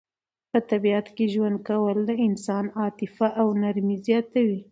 په طبیعت کې ژوند کول د انسان عاطفه او نرمي زیاتوي.